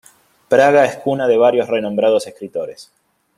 Praga es cuna de varios renombrados escritores.